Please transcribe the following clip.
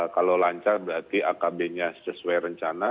kalau lancar berarti akb nya sesuai rencana